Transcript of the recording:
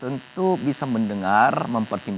sebetulnya ini saling berkaitan berkesesuaian